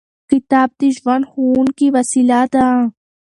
کتاب د ژوند ښوونکې وسیله ده.